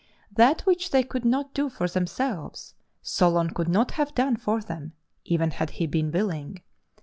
That which they could not do for themselves, Solon could not have done for them, even had he been willing.